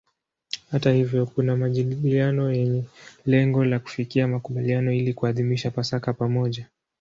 Hata hivyo kuna majadiliano yenye lengo la kufikia makubaliano ili kuadhimisha Pasaka pamoja.